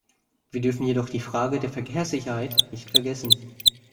Wir dürfen jedoch die Frage der Verkehrssicherheit nicht vergessen.